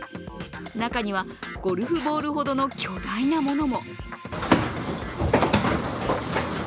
中にはゴルフボールほどの巨大なものも。